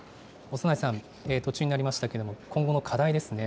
長内さん、途中になりましたけれども、今後の課題ですね。